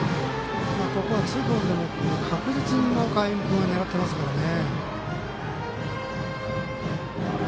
ここはツーボールでも確実に今岡歩夢君は狙ってますからね。